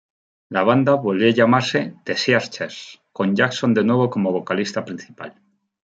La banda volvió a llamarse "The Searchers", con Jackson de nuevo como vocalista principal.